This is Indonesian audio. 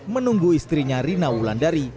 menunggu istrinya rina wulandari